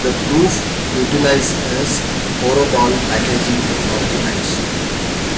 The proof utilizes horoball-packing arguments.